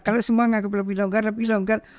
kalau semua menganggap lebih longgar lebih longgar